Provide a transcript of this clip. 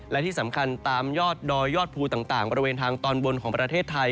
และที่สำคัญตามยอดดอยยอดภูต่างบริเวณทางตอนบนของประเทศไทย